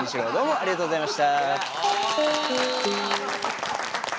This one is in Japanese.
ありがとうございます。